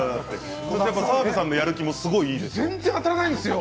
澤部さんのやる気もいいですよ。。